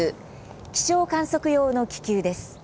気象観測用の気球です。